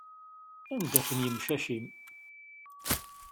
Anda-ten yimcac-im?